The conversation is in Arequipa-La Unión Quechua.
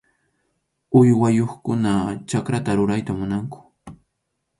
Uywayuqkuna chakrata rurayta munanku.